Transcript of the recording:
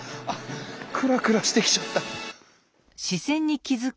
クラクラしてきちゃった。